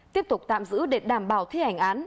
tiếp tục tạm giữ để đảm bảo thi hành án